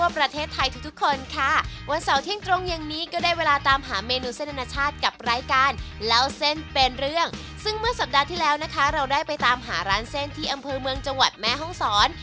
ประเทศไทยเล่าเส้นเป็นเรื่องซึ่งเมื่อสัปดาห์ที่แล้วนะคะเราได้ไปตามหาร้านเส้นที่อำเภอเมืองจังหวัดแม่ห้องศร